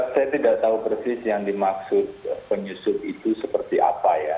saya tidak tahu persis yang dimaksud penyusup itu seperti apa ya